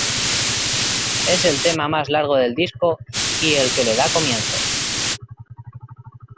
Es el tema más largo del disco y el que le da comienzo.